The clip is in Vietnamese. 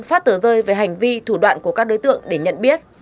phát tờ rơi về hành vi thủ đoạn của các đối tượng để nhận biết